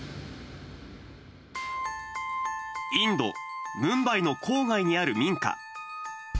インド・ムンバイの郊外にある民家。